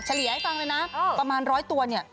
เฉลี่ยให้ฟังนะครับประมาณ๑๐๐ตัวเนี่ย